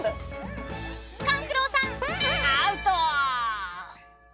［勘九郎さんアウト］